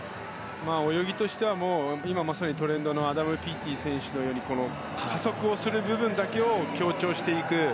泳ぎとしては今、トレンドのアダム・ピーティー選手のような加速をする部分で強調していく。